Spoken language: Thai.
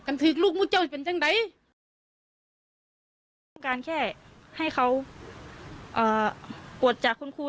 กันถึงลูกมุ่งเจ้าจะเป็นทั้งใดการแค่ให้เขาเอ่อปวดจากคุณคู่